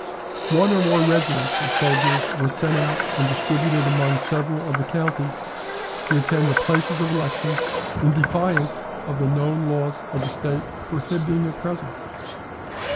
One or more regiments of soldiers were sent out and distributed among several of the counties to attend the places of election, in defiance of the known laws of the State prohibiting their presence.